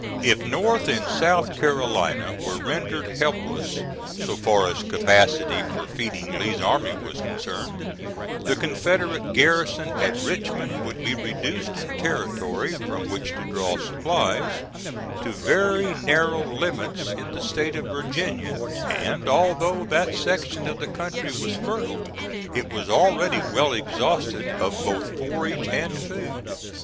If North and South Carolina were rendered helpless so far as capacity for feeding Lee's army was concerned, the Confederate garrison at Richmond would be reduced in territory, from which to draw supplies, to very narrow limits in the State of Virginia; and, although that section of the country was fertile, it was already well exhausted of both forage and food.